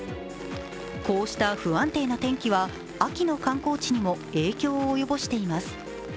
こうした不安定な天気は秋の観光地にも影響を及ぼしています。